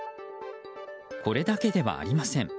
これだけではありません。